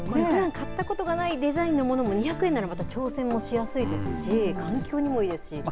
ふだん買ったことがないデザインのものも、２００円ならまた挑戦もしやすいですし、環境にもいいですし。